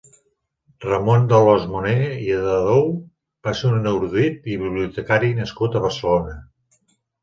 Ramon d'Alòs-Moner i de Dou va ser un erudit i bibliotecari nascut a Barcelona.